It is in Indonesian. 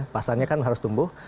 pasannya kan harus tumbuh